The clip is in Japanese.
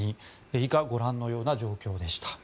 以下、ご覧のような状況でした。